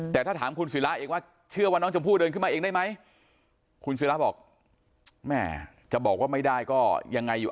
แต่ถ้าถามคุณศิราเองว่าเชื่อว่าน้องชมพู่เดินขึ้นมาเองได้ไหมคุณศิราบอกแม่จะบอกว่าไม่ได้ก็ยังไงอยู่